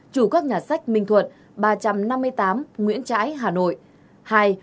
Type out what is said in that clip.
chủ các nhà sách minh thuận ba trăm năm mươi tám nguyễn trãi hà nội